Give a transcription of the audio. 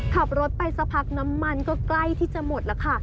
ขับรถไปสักพักน้ำมันก็ใกล้ที่จะหมดแล้วค่ะ